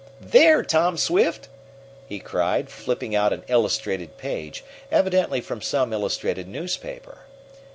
"There, Tom Swift!" he cried, flipping out an illustrated page, evidently from some illustrated newspaper.